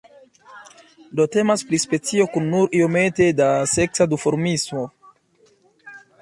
Do temas pri specio kun nur iomete da seksa duformismo.